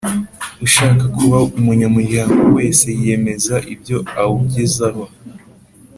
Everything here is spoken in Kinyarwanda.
Ushaka kuba Umunyamuryango wese yiyemeza ibyo awugezaho